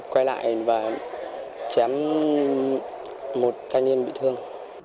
quay lại và chém một thanh niên bị thương